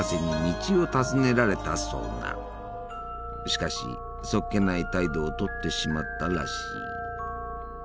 しかしそっけない態度をとってしまったらしい。